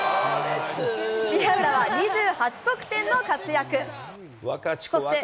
宮浦は２８得点の活躍。